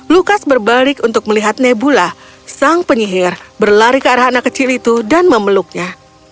lukas berbalik untuk melihat nebula sang penyihir berlari ke arah anak kecil itu dan memeluknya